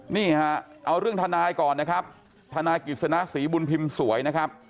นี่ฮะเอาเรื่องทนายก่อนนะครับทนายกิจสนะศรีบุญพิมพ์สวยนะครับ